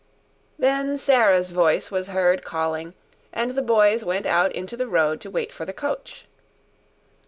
Then Sarah's voice was heard calling, and the boys went out into the road to watch for the coach.